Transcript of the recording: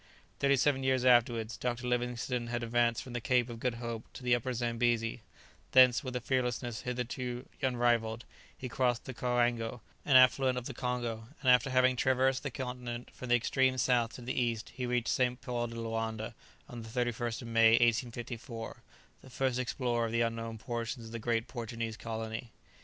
Thirty seven years afterwards, Dr. Livingstone had advanced from the Cape of Good Hope to the Upper Zambesi; thence, with a fearlessness hitherto unrivalled, he crossed the Coango, an affluent of the Congo, and after having traversed the continent from the extreme south to the east he reached St. Paul de Loanda on the 31st of May, 1854, the first explorer of the unknown portions of the great Portuguese colony.